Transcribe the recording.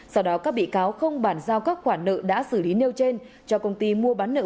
sau đó các bị cáo không bàn giao các khoản nợ đã xử lý nêu trên cho công ty mua bán nợ